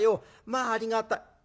まあありがたい。